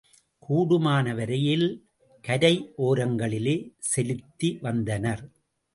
கூடுமான வரையில் கரை ஒரங்களிலேயே செலுத்தி வந்தனர்.